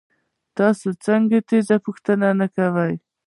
تاسو څنګه تیریږئ او پوښتنه نه کوئ